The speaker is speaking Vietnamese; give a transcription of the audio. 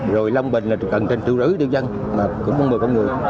rồi long bình là gần trên triệu rưỡi đều dân mà cũng có một mươi con người